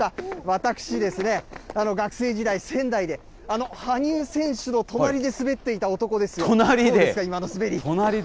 私ですね、学生時代、仙台で、あの羽生選手の隣で滑っていた男で隣で？